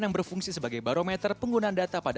yang hampir seperti speedometer untuk data anda